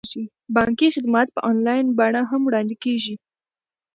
بانکي خدمات په انلاین بڼه هم وړاندې کیږي.